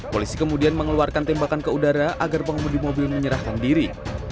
polisi kemudian mengeluarkan tembakan ke udara agar pengemudi mobil menyerahkan diri